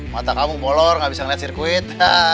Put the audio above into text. mata kamu bolor gak bisa liat sirkuit